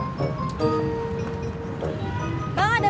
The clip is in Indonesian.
bang ada majalah wanita ga